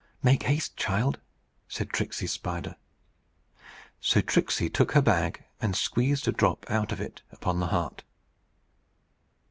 "Make haste, child!" said Tricksey's spider. So Tricksey took her bag, and squeezed a drop out of it upon the heart.